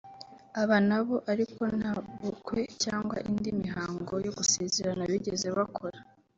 Aba nabo ariko nta bukwe cyangwa indi mihango yo gusezerana bigeze bakora